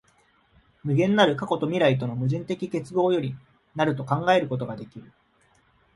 無限なる過去と未来との矛盾的結合より成ると考えることができる。